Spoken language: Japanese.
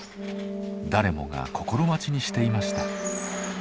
誰もが心待ちにしていました。